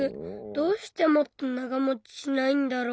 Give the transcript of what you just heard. どうしてもっと長もちしないんだろう。